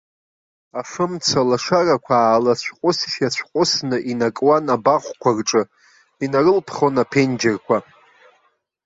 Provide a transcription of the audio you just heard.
Афымца лашарақәа аалацәҟәысшьацәҟәысны инакуан абаҟәқәа рҿы, инарылԥхон аԥенџьырқәа.